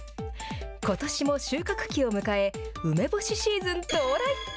ことしも収穫期を迎え、梅干しシーズン到来。